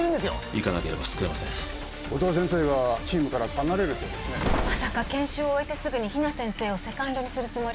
行かなければ救えません音羽先生がチームから離れるそうですねまさか研修を終えてすぐに比奈先生をセカンドにするつもり？